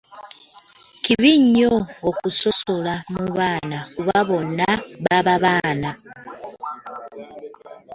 Kibi nnyo okusosola mu baana kuba bonna baba baana.